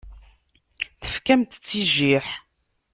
Tefkamt-tt i jjiḥ.